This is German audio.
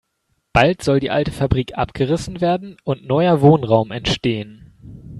Bald soll die alte Fabrik abgerissen werden und neuer Wohnraum entstehen.